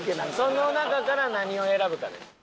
その中から何を選ぶかです。